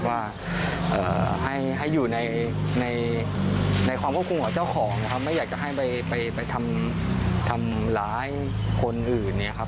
ว่าให้อยู่ในความควบคุมของเจ้าของนะครับไม่อยากจะให้ไปทำร้ายคนอื่นเนี่ยครับ